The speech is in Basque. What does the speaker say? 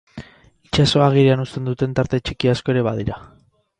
Itsasoa agerian uzten duten tarte txiki asko ere badira.